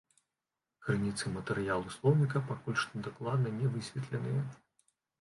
Крыніцы матэрыялу слоўніка пакуль што дакладна не высветленыя.